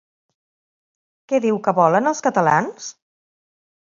Què diu que volen els catalans?